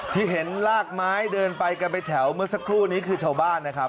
ที่เห็นลากไม้เดินไปกันไปแถวเมื่อสักครู่นี้คือชาวบ้านนะครับ